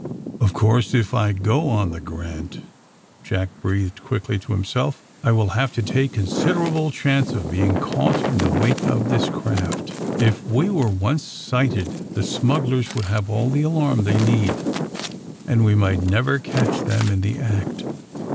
*^0f course, if I go on the ' Grant, ^" Jack breathed quickly to himself, *^I will have to take considerable chance of being caught in the wake of this craft. If we were once sighted the smugglers would have all the alarm they need, and we might never catch them in the act.